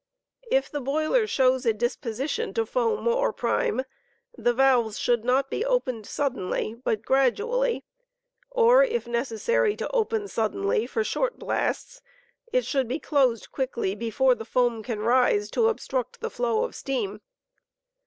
If the boiler shows a disposition to .foam or prime, the valves should not be opened suddenly but gradually, or if necessary to open suddenly for short blasts, it should be closed quickly before the foam can rise to obstruct the flow of steam.